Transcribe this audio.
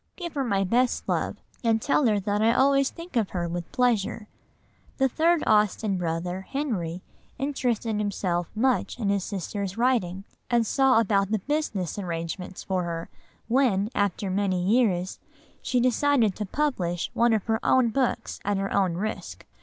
Give her my best love and tell her that I always think of her with pleasure." The third Austen brother, Henry, interested himself much in his sister's writing, and saw about the business arrangements for her, when, after many years, she decided to publish one of her own books at her own risk.